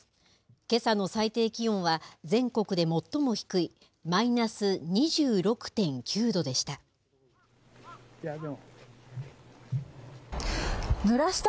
けさの最低気温は、全国で最も低いマイナス２６．９度でした。